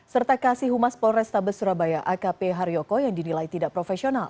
serta kasih humas polrestabes surabaya akp haryoko yang dinilai tidak profesional